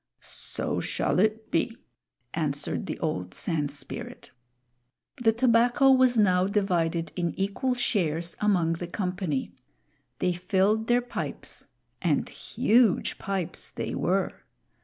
"So shall it be," answered the old Sand Spirit. The tobacco was now divided in equal shares among the company. They filled their pipes and huge pipes they were!